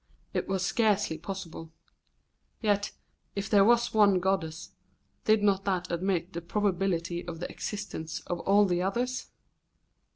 It was scarcely possible! Yet if there was one goddess, did not that admit the probability of the existence of all the others?